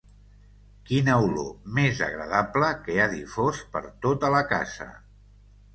Quina olor més agradable que ha difós per tota la casa!